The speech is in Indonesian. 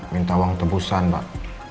minta uang tebusan pak